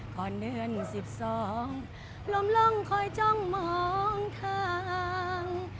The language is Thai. ก่อนเดือนสิบสองลมล่องคอยจ้องมองทาง